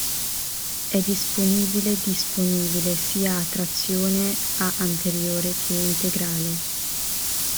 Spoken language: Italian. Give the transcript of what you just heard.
È disponibile disponibile sia a trazione a anteriore che integrale.